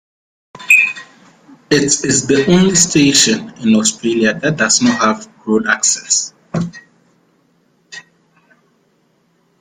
It is the only station in Australia that does not have road access.